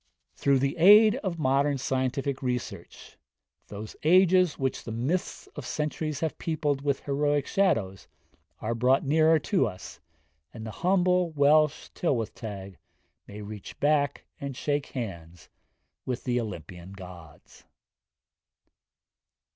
Through the aid of modern scientific research, 'those ages which the myths of centuries have peopled with heroic shadows' are brought nearer to us, and the humble Welsh Tylwyth Teg may reach back and shake hands with the Olympian gods.